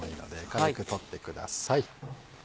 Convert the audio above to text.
軽く取ってください。